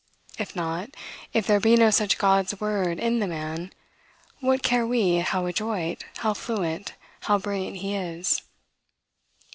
If not, if there be no such God's word in the man, what care we how adroit, how fluent, how brilliant he is?